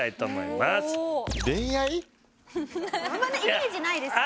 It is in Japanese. あんまねイメージないですけどね。